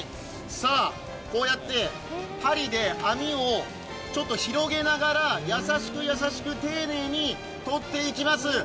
さあ、こうやって針で網を広げながら優しく優しく丁寧に取っていきます。